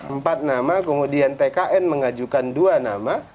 empat nama kemudian tkn mengajukan dua nama